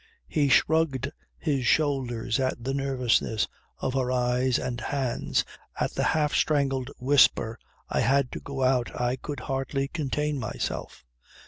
He shrugged his shoulders at the nervousness of her eyes and hands, at the half strangled whisper "I had to go out. I could hardly contain myself."